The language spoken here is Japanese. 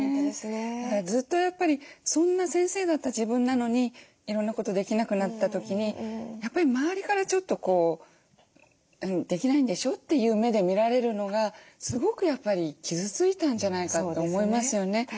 だからずっとやっぱりそんな先生だった自分なのにいろんなことできなくなった時にやっぱり周りからちょっと「できないんでしょ」っていう目で見られるのがすごくやっぱり傷ついたんじゃないかって思いますよね。